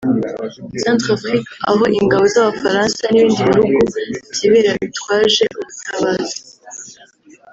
Centrafrique aho ingabo z’Abafaransa n’ibindi bihugu byibera bitwaje ubutabazi